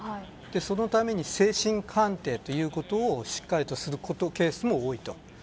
そのために精神鑑定ということをしっかりとするケースも多いと。